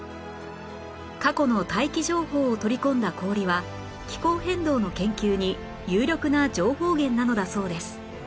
過去の大気情報を取り込んだ氷は気候変動の研究に有力な情報源なのだそうです